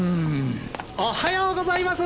おはようございます！